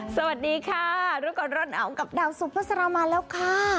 สวัสดีค่ะรุ่นก่อนร่อนอาวน์กับดาวสุภาษาลาวมาแล้วค่ะ